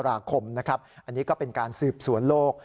อันนี้ก็เป็นการซืบสวนโลก